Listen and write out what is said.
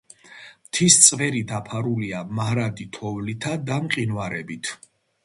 მთის წვერი დაფარულია მარადი თოვლითა და მყინვარებით.